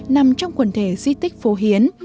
nằm trong quần thể di tích phổ hiến